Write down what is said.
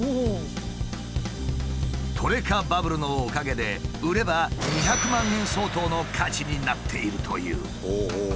トレカバブルのおかげで売れば２００万円相当の価値になっているという。